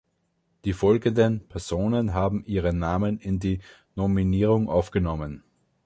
Die folgenden Personen haben ihre Namen in die Nominierung aufgenommen.